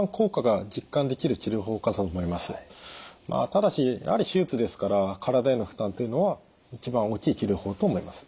ただしやはり手術ですから体への負担というのは一番大きい治療法と思います。